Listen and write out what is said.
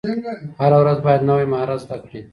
هره ورځ باید نوی مهارت زده کړئ.